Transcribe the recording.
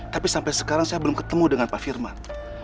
tapi sampai sekarang saya belum ketemu dengan pak firman